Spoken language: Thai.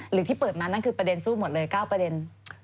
หรือที่เปิดมานั่นคือประเด็นสู้หมดเลย๙ประเด็น